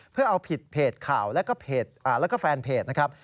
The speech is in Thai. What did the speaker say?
เพื่อเอาผิดเพจข่าวแล้วก็แฟนเพจนะครับ